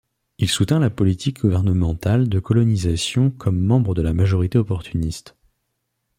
Il soutint la politique gouvernementale de colonisation comme membre de la majorité opportuniste.